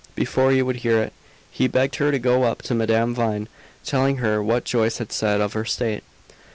Before he would hear it, he begged her to go up to Madame Vine, telling her what Joyce had said of her state.